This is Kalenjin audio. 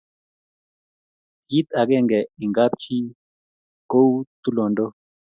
kit akenge eng kap jii ko u tulondok